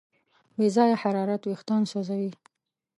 بې ځایه حرارت وېښتيان سوځوي.